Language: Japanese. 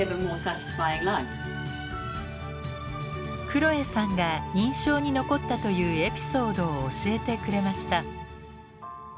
クロエさんが印象に残ったというエピソードを教えてくれました。